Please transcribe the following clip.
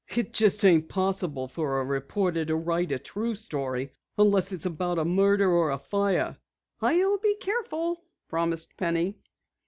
It just ain't possible for a reporter to write a true story unless it's about a murder or a fire!" "I'll be careful," promised Penny.